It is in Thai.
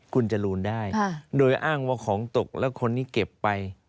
คุณจรูนได้โดยอ้างว่าของตกแล้วคนนี้เก็บไป